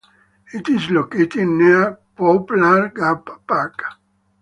It is located near Poplar Gap Park.